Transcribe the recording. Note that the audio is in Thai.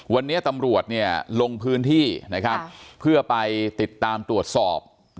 วันนี้ตำรวจลงพื้นที่เพื่อไปติดตามตรวจสอบ